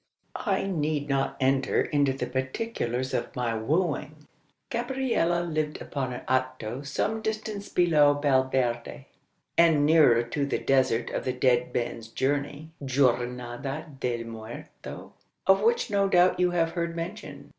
"I need not enter into the particulars of my wooing. Gabriella lived upon a hato some distance below Valverde, and nearer to the desert of the Dead Man's Journey (Jornada del muerto) of which no doubt you have heard mention.